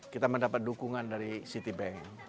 kita mendapat dukungan dari citibank